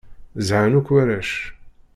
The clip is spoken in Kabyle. Zhan akk warrac.